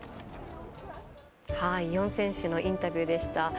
４選手のインタビューでした。